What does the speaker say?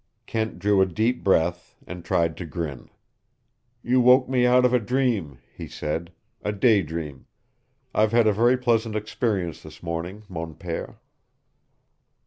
Kent drew a deep breath and tried to grin. "You woke me out of a dream," he said, "a day dream. I've had a very pleasant experience this morning, mon pere."